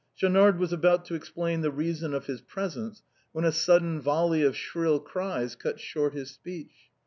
Scliaunard was about to explain the reason of his presence, when a sudden volley of shrill cries cut short his speech.